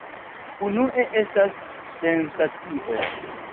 Unue estas sensacio.